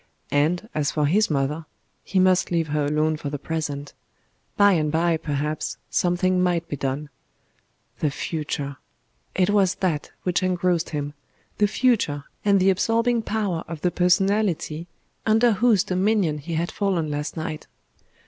And, as for his mother he must leave her alone for the present. By and bye, perhaps, something might be done. The future! It was that which engrossed him the future, and the absorbing power of the personality under whose dominion he had fallen last night.